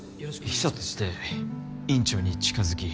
秘書として院長に近づき。